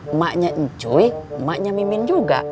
emaknya cuy emaknya mimin juga